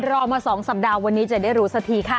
รอมา๒สัปดาห์วันนี้จะได้รู้สักทีค่ะ